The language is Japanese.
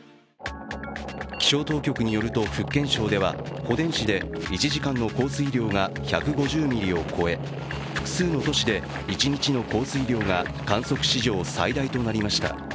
気象当局によると福建省ではほでん市で１時間の降水量が１５０ミリを超え複数の都市で１日の降水量が観測史上最大となりました。